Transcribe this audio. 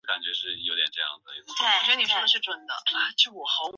勒普莱西贝勒维尔。